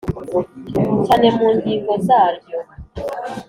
Cyane mu ngingo zaryo